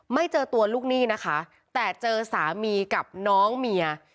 ไม่เจอตัวลูกหนี้นะคะแต่เจอสามีกับน้องเมีย